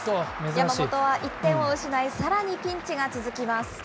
山本は１点を失い、さらにピンチが続きます。